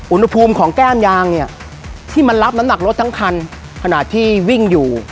อุณหภูมิของแก้มยางเนี่ยที่มันรับน้ำหนักรถทั้งคันขณะที่วิ่งอยู่